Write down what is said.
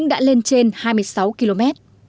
cũng đã lên trên hai mươi sáu km